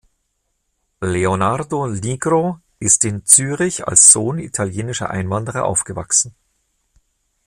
Leonardo Nigro ist in Zürich als Sohn italienischer Einwanderer aufgewachsen.